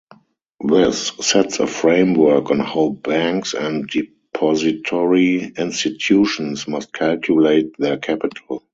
This sets a framework on how banks and depository institutions must calculate their capital.